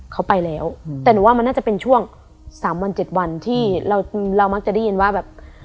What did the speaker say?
เขาไปแล้วแต่หนูว่ามันน่าจะเป็นช่วงสามวันเจ็ดวันที่เราเรามักจะได้ยินว่าแบบ